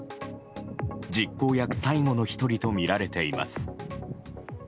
実行役最後の１人とみられています。